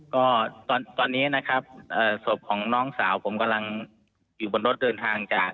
ก็ตอนนี้นะครับศพของน้องสาวผมกำลังอยู่บนรถเดินทางจาก